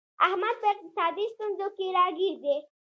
احمد په اقتصادي ستونزو کې راگیر دی